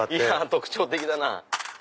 特徴的だなぁ。